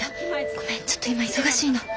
ごめんちょっと今忙しいの。